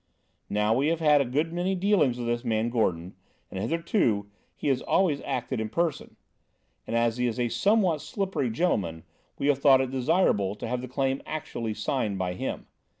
Now, we have had a good many dealings with this man Gordon, and hitherto he has always acted in person; and as he is a somewhat slippery gentleman we have thought it desirable to have the claim actually signed by him.